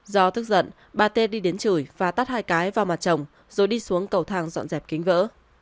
do tức giận bà tê đi đến chửi và tắt hai cái vào mặt chồng rồi đi xuống cầu thang dọn dẹp kính vỡ